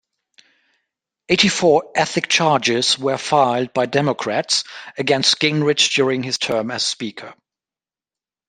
Eighty-four ethics charges were filed by Democrats against Gingrich during his term as Speaker.